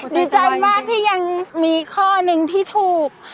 ดีใจมากที่ยังมีข้อหนึ่งที่ถูก